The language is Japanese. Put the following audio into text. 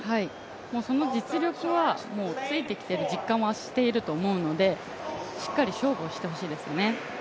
その実力はもうついてきている実感はしていると思うのでしっかり勝負をしてほしいですね。